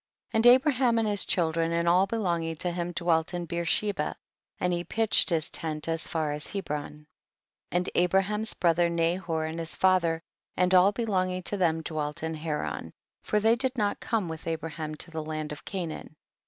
* 14. And Abraham and his children and all belonging to him dwelt in Beersheba, and he pitched his tent as far as Hebron. 15. And Abraham's brother Na hor and his father and all belonging to them dwelt in Haran, for they did not come with Abraham to the land of Canaan.